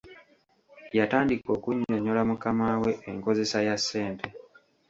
Yatandika okunnyonnyola mukama we enkozesa ya ssente.